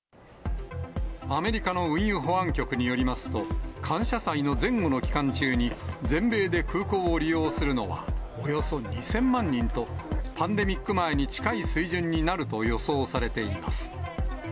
アメリカの運輸保安局によりますと、感謝祭の前後の期間中に、全米で空港を利用するのはおよそ２０００万人と、パンデミック前に近い水準になると予想されています。